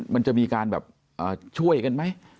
มันจะมีการแบบช่วยกันไหม